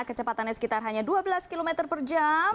kecepatannya sekitar hanya dua belas km per jam